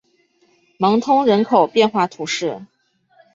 芒通人口变化图示